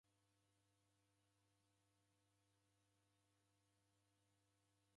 Ugho mpango ghwareda kazi kwa w'ai na w'adaw'ana.